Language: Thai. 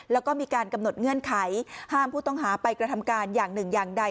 แล้วก็มีการกำหนดเงื่อนไขห้ามผู้ต้องหาไปกระทำการอย่างหนึ่งอย่างใด